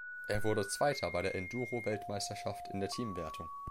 Er wurde Zweiter bei der Enduro-Weltmeisterschaft in der Teamwertung.